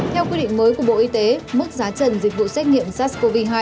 theo quy định mới của bộ y tế mức giá trần dịch vụ xét nghiệm sars cov hai